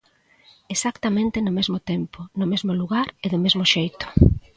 Exactamente no mesmo tempo, no mesmo lugar e do mesmo xeito.